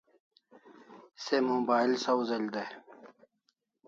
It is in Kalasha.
Se mobile sawzel dai